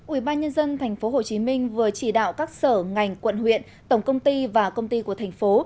ủy ban nhân dân tp hcm vừa chỉ đạo các sở ngành quận huyện tổng công ty và công ty của thành phố